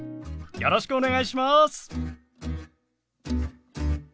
よろしくお願いします！